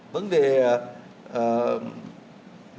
vấn đề xã hội